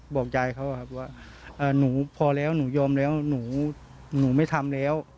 บอกยายเขาครับว่าหนูพอแล้วหนูยอมแล้วหนูไม่ทำแล้ว